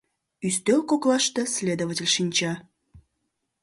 Ӱстел коклаште следователь шинча.